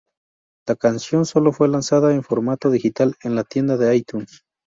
La canción solo fue lanzada en formato digital en la tienda iTunes.